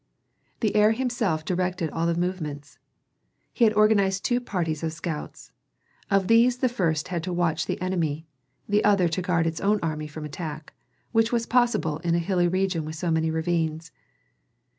The heir himself directed all the movements. He had organized two parties of scouts. Of these the first had to watch the enemy, the other to guard its own army from attack, which was possible in a hilly region with many ravines.